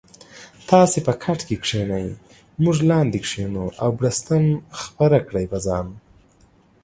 تاسي به کټکی کینې مونږ لاندې کینو او بړستن ښوره کړي په ځان